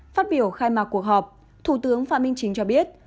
phát biểu khai mạc cuộc họp thủ tướng phạm minh chính cho biết